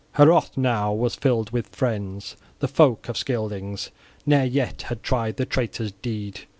Heorot now was filled with friends; the folk of Scyldings ne'er yet had tried the traitor's deed.